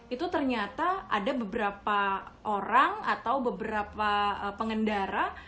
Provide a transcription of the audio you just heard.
itu ternyata ada beberapa orang atau beberapa pengendara